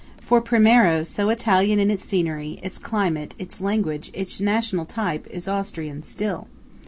For Primiero–so Italian in its scenery, its climate, its language, its national type–is Austrian still.